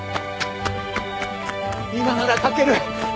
今なら書ける！